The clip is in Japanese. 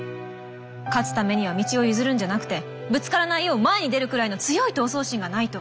勝つためには道を譲るんじゃなくてぶつからないよう前に出るくらいの強い闘争心がないと。